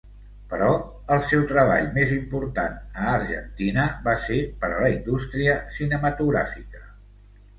Però, el seu treball més important a Argentina va ser per a la indústria cinematogràfica.